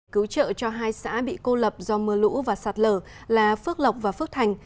cứu trợ cho hai xã bị cô lập do mưa lũ và sạt lở là phước lộc và phước thành